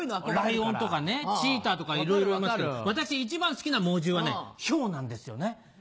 ライオンとかチーターとかいろいろいますけど私一番好きな猛獣はヒョウなんですよね。